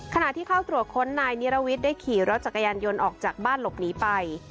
ขณะที่เข้าตรวจค้นนายนิรวิทย์ได้ขี่รถจักรยานยนต์ออกจากบ้านหลบหนีไป